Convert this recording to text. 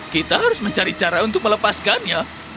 kita harus mencari cara untuk melepaskannya